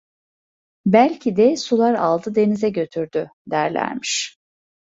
Belki de sular aldı denize götürdü! derlermiş.